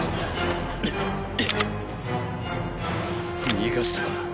逃がしたか。